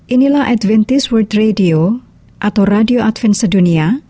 inilah adventist world radio atau radio advent sedunia